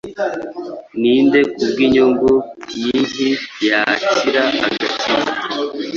Ninde kubwinyungu nyinhi yakira agakiza